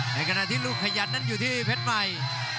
ในขณะที่ลูกขยันนั้นอยู่ที่เพชรใหม่